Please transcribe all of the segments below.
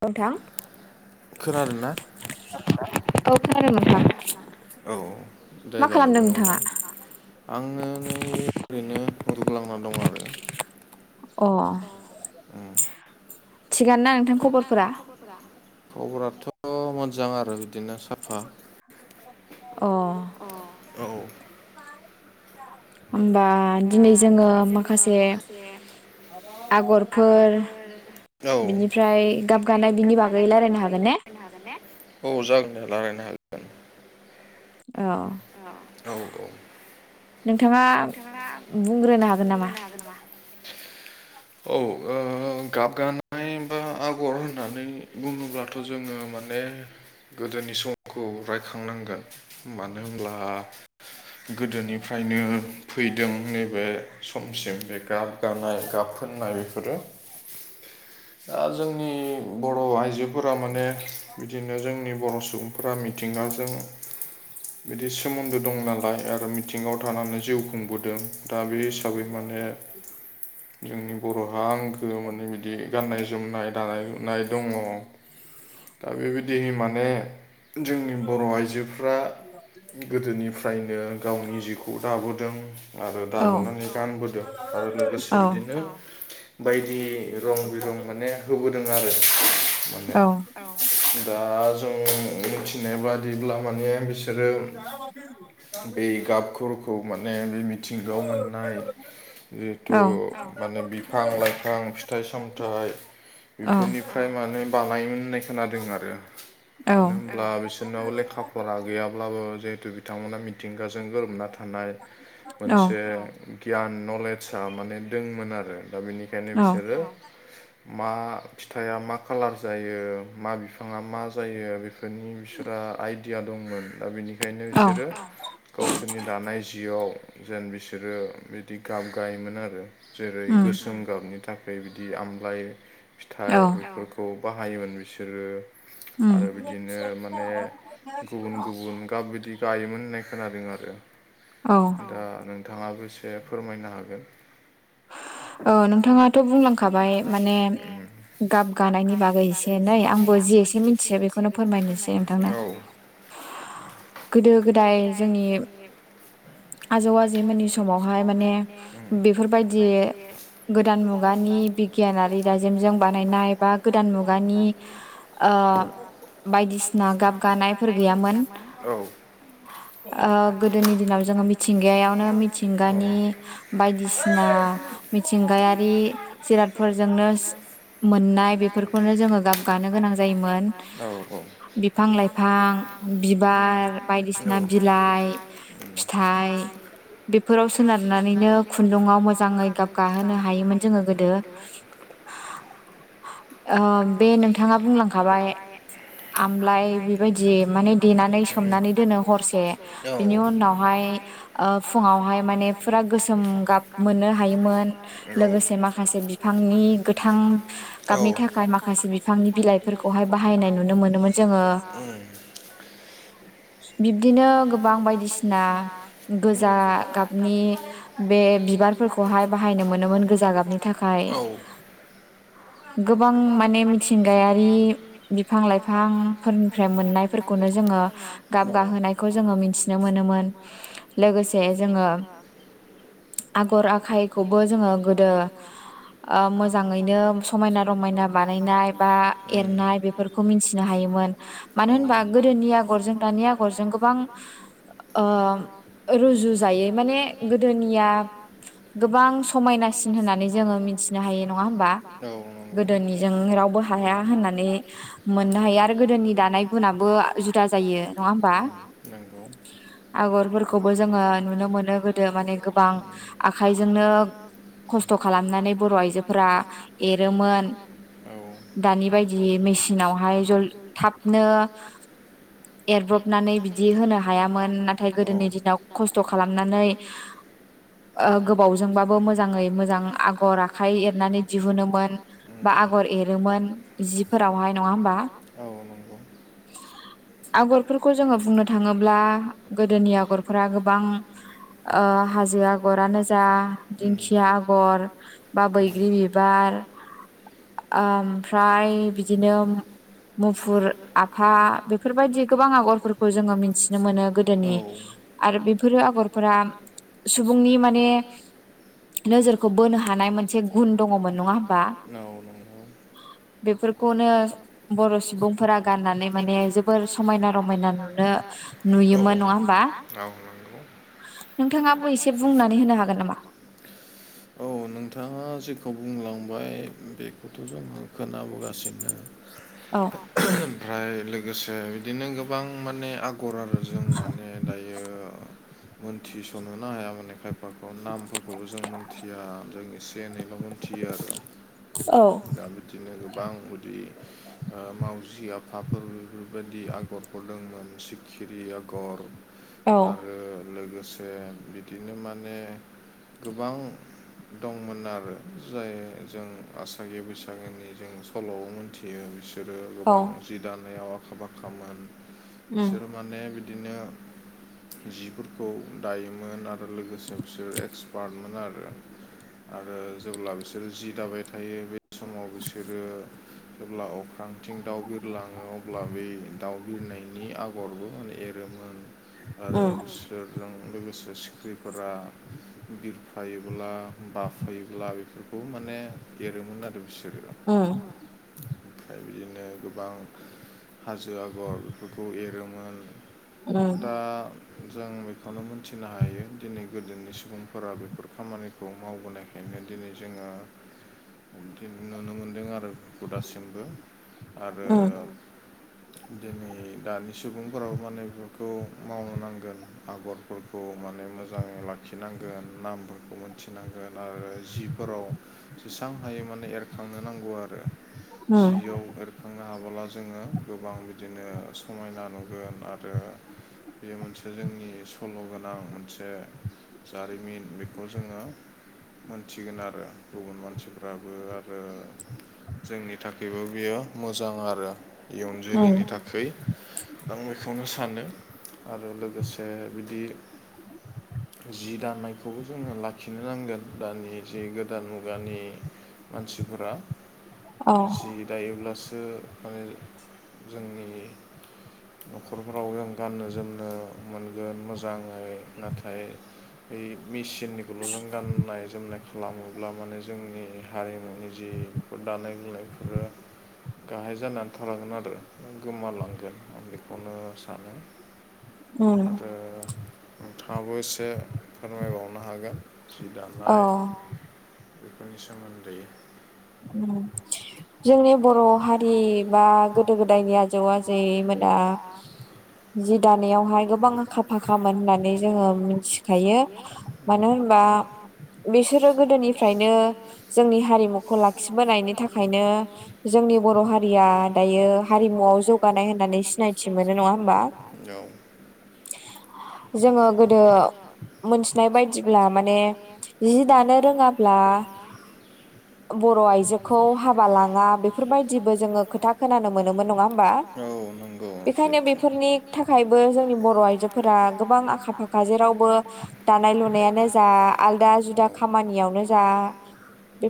नोंथां [inaudible] औ खोनादों नोंथां औ देलाय बुंलाय आङो नै ओरैनो उन्दुग्लांना दं आरो अ थिगानो ना नोंथां खबरफोरा? खबराथ' मोजां आरो बिदिनो सा अ होमबा दिनै जोङो माखासे आगरफोर बिनिफ्राय [inaudible] औ जागोन दे लायरायनो हागोन औ औ नोंथाङा बुंग्रोनो हागोन नामा? [unintelligible] औ ओ गाबगानाय बा आगर होननानै बुङो ब्लाथ' जोङो माने गोदोनि समखौ रायखांनांगोन। मानो होनब्ला गोदोनिफ्रायनो फैदों नैबे समसिम बे गाब गानाय गाब बेफोरो। [unintelligible] दा जोंनि बर' आइजोफोरा माने बिदिनो जोंनि बर' सुबुं फोरा मिथिंगाजों बिदि सोमोन्दो दं नालाय आरो थिङाव थानानै जिउ खुंबोदों दा बे हिसाबै माने जोंनि बर'हा हांखो माने बिदि गाननाय जोमनाय दानाय लुनाय दङ। दा बेबायदि माने जोंनि बर' आइजोफ्रा गोदोनिफ्रायनो गावनि जिखौ दाबोदों आरो दाबोनानै गानबोदों। आरो लोगोसे बायदि रं बिरं माने होबोदों आरो माने। दा जों मिथिनाय बादिब्ला माने बिसोरो बे गाबखोरखौ माने मि थिंगाव मोननाय जिहेथु माने बिफां लाइफां फिथाइ सामथाइ बेफोरनि निफ्राय माने बानायोमोन होननाय खोनादों आरो। मानो होनब्ला बिसोरनाव लेखा फरा गैयाब्लाबो जिहेथु बिथांमोना मिथिंगाजों गोरोबना था थानाय मोनसे गियान नलेजआ माने दंमोन आरो दा बिनि खायनो बिसोरो मा फिथाया मा कालार जायो, मा बिफाङा मा जायो, बे बेफोरनि बिसोरा आइदिया दंमोन। दा बिनिखायनो बिसोरो गावसोरनि दानाय जिआव जेन बिसोरो बिदि गाब गायोमोन आरो। जेरै गोसोम गाबनि थाखाय बिदि आमलाय फिथाइ, बेफोरखौ खौ बाहायोमोन बिसोरो। आरो बिदिनो माने गुबुन गुबुन गाब बिदि जायोमोन होननाय खोनादों आरो। औ। दा नोंथांङाबो एसे फोरमायनो हागोन। [inaudible] औ नोंथाङाथ' बुंलांखाबाय। माने गाब गानायनि बागै एसे नै आंबो जि एसे मि से बेखौनो फोरमायनोसै नोंथांनो। गोदो गोदाय जोंनि आजौ आजैमोननि समावहाय माने बेफोरबायदि [unintelligible] गोदान मुगानि बिगियानारि दाजिमजों बानायनाय बा गोदान मुगानि ओ बायदिसिना गाब गानायफोर गैयामोन। गोदोनि दिनाव जोङो मिथिंगायावनो मिथिंगानि बायदिसि मिथिंगायारि जिरादफोरजोंनो मोननाय बेफोरखौनो जोङो गाबगानो गोनां जायोमोन। बिफां लाइफां, बिबार, बायदिसिना बिलाइ, फिथाइ बेफोराव सोनारनानैनो खुन्दुाव मोजाङै गाबगाहोनो हायोमोन जोङो गोदो। ओ बे नोंथाङा बुंलांखाबाय आमलाइ बेबायदि माने देनानै सोमनानै दोनो हरसे। बिनि उनावहाय ओ फुङावहाय माने फुरा गोसोम गाब मोननो हायोमोन। लोगोसे माखासे बिफांनि गोथां गाबनि था [unintelligible] [unintelligible] बिब्दिनो गोबां बायदिसिना गोजा गाबनि बे बि बिबारफोरखौहाय बाहायनो मोनोमोन गोजा गाबनि थाखाय। गोबां माने मिथिंगायारि बिफां लाइफांफोरनिफ्राय मोननाय फोरखौनो जोङो हो गाबगाहोनायखौ जोङो मिथिनो मोनोमोन लोगोसे जोङो [unintelligible] आगर आखाइखौबो जोङो गोदो ओ‌‌श मोजाङैनो समायना रमायना बानायनाय बा एरनाय बेफोरखौ मिथिनो हायोमोन मानो होमबा गोदोनि आगरजों दानि आगरजों गोबां हो ओ रुजुजायै माने गोदोनिआ गोबां समायनासिन होननानै जोङो मिथिनो हायो नङा होमबा औ नोंगौ गोदोनिजों रावबो हाया होननानै हो मोननो हायो आरो गोदोनि दानाय गुनाबो आ जुदा जायो नङा होमबा आगरफोरखौबो जोङो नुनो मोनो गोदो मानि गोबां ओ आखाइजोंनो खस्थ' खालामनानै बर' आइजोफोरा एरोमोन दानि बायदि मेसिनावहाय जल थाब नो एरब्र'बनानै बिदि होनो हायामोन नाथाय गोदोनि दिनाव खस्थ' खालामनानै ओ गोबावजोंबाबो मोजाङै मोजां आगर आखाइ एरनानै दिहुनोमोन बा आगर एरोमोन जिफोरावहाय नङा होमबा औ नोंगौ [unintelligible] आगरफोरखौ जोङो बुंनो थाङोब्ला गोदोनि आगरफोरा गोबां ओ हाजो आगरानो जा दिंखिआ आगर बा बैग्रि बिबार आमफ्राय बिदिनो मुफुर आफा बेफोरबादि गोबां आगरफोरखौ जोङो मिथिनो मोनो गोदोनि आरो बेफोरो आगरफ्रा सुबुंनि माने नोजोरखौ बोनो हानाय मोनसे गुन दङमोन नङा होमबा बेफोरखौनो ओ बर' सुबुंफोरा गाननानै माने जोबोर समायना रमायना नुनो नुयोमोन नङा होमबा नोंथांआबो एसे बुंनानै होनो हागोन नामा? औ नोंथांआ जेखौ बुंलांबाय बे बेखौथ' जोंङो खोनाबोगासिनो औ ओ आमफाय लोगोसे बिदिनो गोबां माने आग गरायजों माने दायो मोनथिस'नोनो हाया माने खायफाखौ नामफोरखौबो जों मोनथिआ जोंनि एसे एनैल' मिथियो आरो औ दा बिदिनो गोबां उदि ओ मावजि आफाफोर बेफोरबादि आगरफोर दंमोन सिखिरि आगर आरो लोगोसे बिदिनो माने गोबां दंमोन आरो जाय जों आसाम बैसागो बैसागोनि जों सल' मिथियो बिसोरो गोबां जि दानायाव आखा फाखामोन बिसोर माने बिदिनो जिफोरखौ दायोमोन आरो लोगोसे बिसोर एक्सपार्टमोन आरो आरो जेब्ला बिसोरो जि दाबाय थायो बेट समाव बिसोरो जेब्ला अख्रांथिं दाउ बिरलाङो अब्ला बे दाउ बिरनायनि आगरबो नों एरोमोन [inaudible] आरो बिसोर लोगोसे सिखिरिफोरा बिरफायोब्ला बाफायोब्ला बेफोरखौ माने एरदोमोन आरो बिसोर उम आमफ्राय बिदिनो गोबां हाजो आगर बेफोरखौ एरोमोन दा जों बेखौनो मोनथिनो हायो दिनै गोदोनि सुबुंफोरा बेफोर खामानिखौ मावबोनाय बिदिनो जोङो बि नुनो मोन्दों आरोुु दासिमबो आरो दिनै दानि सुबुंफोराबो माने बेफोरखौ मावनो नांगोन आगर खौ माने मोजाङै लाखिनांगोन नामफोरखौ मोनथिनांगोन आरो जिफोराव [unintelligible] हायो माने एरखांनो नांगौ आरो जियाव एरखांनो हाबोला जोङो गोबां बि बिदिनो समायना नुगोन आरो बेयो मोनसे जोंनि सल' गोनां मोनसे जारिमिन बेखौ जोङो मोनथिगोन आरो गुबुन मानसि फोराबो आरो जोंनि थाखायबो बियो मोजां आरो इयुन जोलैनो थाखै आं बेखौनो सानो आरो लोगोसे बिदि जि दानायखौबो जोङो लाखिनो नांगोन दानि जि गोदान मुगानि मानसिफोरा जि दायोब्लासो माने जोंनि न'खरफोराव जों गाननो जोमनो मोनगोन मोजाङै नाथाय ब मेचिननिखौल' जों गाननाय जोमनाय खालामोब्ला माने जोंनि हारिमुनि जि फोर दानाय लुनायफोर गाहाय जानानै थालांगोन आरो गोमालांगोन आं बेखौनो सानो [inaudible] आरो नोंथाङाबो एसे फोरमायबावनो हागोन जि दानाय अ बेफोरनि सोमोन्दै औ जोंनि बर' हारि बा गोदो गोदायनि आजै आज जै मोना जि दानायावहाय गोबां आखाद फाखामोन होननानै जोङो मिथिखायो मानो होनबा बिसोरो गोदोनिफ्रायनो जोंनि हारिमु खौ लाखिबोनायनि थाखायनो जोंनि बर' हारिया दायो हारिमुवाव जौ बानाय होननानै सिनायथि मोनो नङा होमबा औ जोङो गोदो मोनथिनाय बायदिब्ला माने जि दानो रोङाब्ला बर' आइजोखौ हाबा लाङा बेफोरबायदिबो जोङो खोथा खोनानो मोनोमोन नङा होमबा? बेखायनो बेफोरनि थाखायबो जोंनि बर' आइजोफोरा गोबां आखा फाखा जेरावबो दानाय लुनायानो जा आलादा जुदा खामानियावनो जा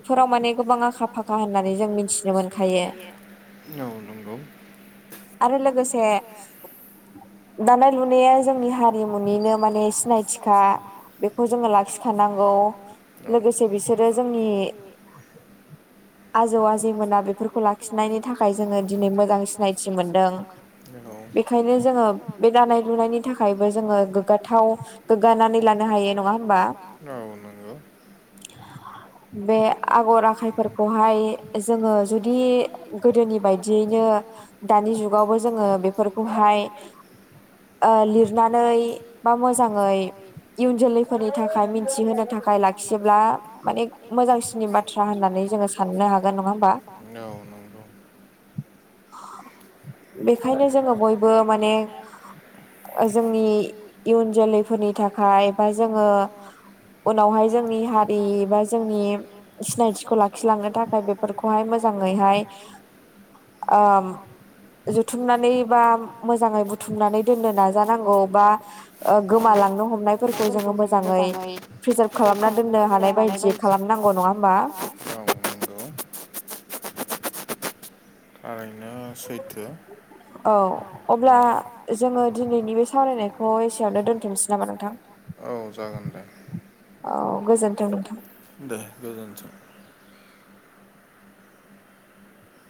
फोराव माने गोबां आखा फाखा होननानै जों मिथिनो मोनखायो आरो लोगोसे दानाय लुनाया जोंनि हारिमुनिनो माने सिनायथिखा बेखौ जोङो लाखिखानांगौ लोगोसे बिसोरो जोंनि [inaudible] आजौ आजैमोना बेफोरखौ लाखिनायनि थाखाय जोङो दिनै मोजां सिनायथि मोनदों बेखायनो जोङो बे दानाय लुनायनि थाखायबो जोङो गोग्गाथाव गोग्गानानै लानो हायो नङा होमबा? औ नोंगौ बे आगर आखाइफोरखौहाय जोङो जुदि गोदोनि बायदियैनो दानि जुगावबो जोङो बेफोरखौहाय ओ लिरनानै बा मोजाङै इयुन जोलैफोरनि थाखाय मिथिहोनो थाखाय लाखियोब्ला माने मोजांसिन नि बाथ्रा होननानै जोङो साननो हागोन नङा होमबा। औ‌ नो बेखायनो जोङो बयबो माने जोंनि इयुन जोलैफोरनि थाखाय बा जोङो उनावहाय जोंनि हारि एबा जोंनि सिनायथिखौ लाखिलांनो थाखाय बे फोरखौहाय मोजाङैहाय आम जुथुमनानै बा मोजाङै बुथुमनानै दोननो नाजानांगौ बा गोमालांनो हमनायफोरखौ जोङो मोजाङै प्रिजार्भ खालामना दोननो हानाय बायदि खालामनांगौ नङा होमबा। औ नोंगौ। थारैनो सैथो। औ। अब्ला जोङो दिनैनि बे सावरायनायखौ एसेयावनो दोनथुमनोसै नामा नोंथां। औ जागोन दे। औ गोजोनथों नोंथां। दे गोजोनथों।